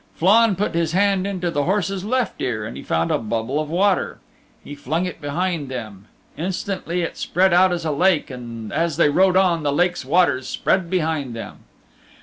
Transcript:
Flann put his hand into the horse's left ear and he found a bubble of water. He flung it behind them. Instantly it spread out as a lake and as they rode on, the lake waters spread behind them.